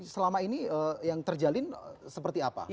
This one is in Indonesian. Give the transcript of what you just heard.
selama ini yang terjalin seperti apa